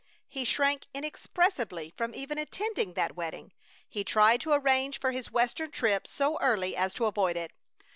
He shrank inexpressibly from even attending that wedding. He tried to arrange for his Western trip so early as to avoid it.